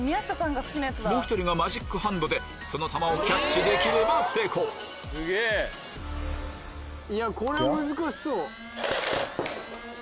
もう一人がマジックハンドでその弾をキャッチできれば成功これは難しそう。